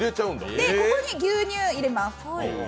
ここに牛乳、入れます。